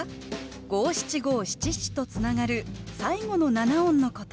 五七五七七とつながる最後の七音のこと。